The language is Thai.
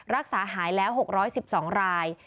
รักษาหายแล้ว๖๑๒ราย